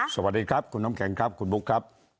สวัสดีครับคุณน้ำแข็งครับคุณบุ๊คครับ